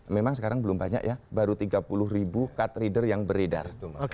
memang sekarang belum banyak ya baru tiga puluh ribu card reader yang beredar